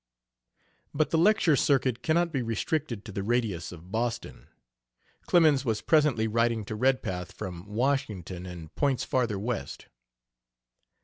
But a lecture circuit cannot be restricted to the radius of Boston. Clemens was presently writing to Redpath from Washington and points farther west.